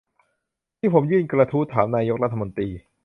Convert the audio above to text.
ที่ผมยื่นกระทู้ถามนายกรัฐมนตรี